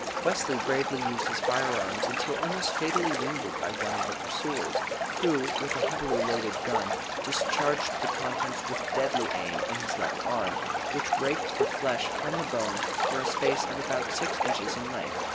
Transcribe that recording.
Wesley bravely used his fire arms until almost fatally wounded by one of the pursuers, who with a heavily loaded gun discharged the contents with deadly aim in his left arm, which raked the flesh from the bone for a space of about six inches in length.